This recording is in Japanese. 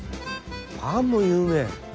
パンも有名？